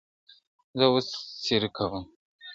زه اوس سیر کوم؟